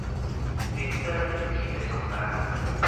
ปรินเตอร์นี้พิมพ์ได้สองด้าน